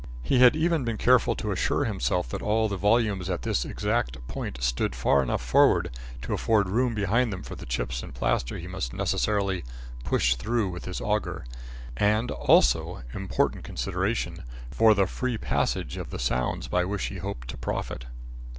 He had even been careful to assure himself that all the volumes at this exact point stood far enough forward to afford room behind them for the chips and plaster he must necessarily push through with his auger, and also important consideration for the free passage of the sounds by which he hoped to profit.